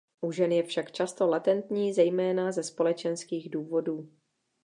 U žen je však často latentní zejména ze společenských důvodů.